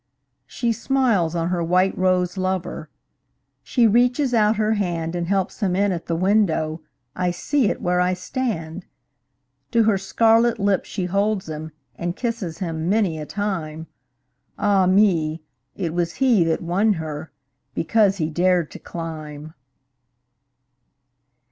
She smiles on her white rose lover, She reaches out her handAnd helps him in at the window—I see it where I stand! To her scarlet lip she holds him, And kisses him many a time—Ah, me! it was he that won herBecause he dared to climb!